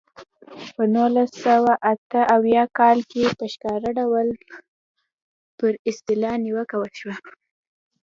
په نولس سوه اته اویا کال کې په ښکاره ډول پر اصطلاح نیوکه وکړه.